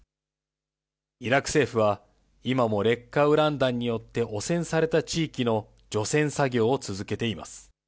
イラク政府は、今も劣化ウラン弾によって汚染された地域の除染作業を続けています。